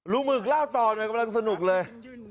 ลุงหมึกเล่าต่อมันกำลังสนุกเลย